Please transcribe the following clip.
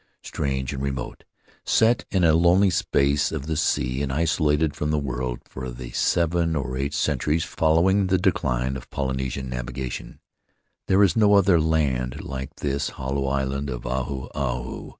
Strange and remote, set in a lonely space of the sea and isolated from the world for the seven or eight centuries following the decline of Polynesian navigation, there is no other land like this hollow island of Ahu Ahu.